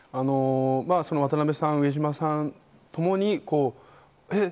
渡辺さん、上島さんともにえっ？